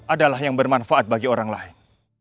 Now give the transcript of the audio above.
adalah yang bermanfaat bagi orang lain